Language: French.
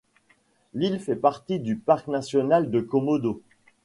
L'île fait partie du parc national de Komodo.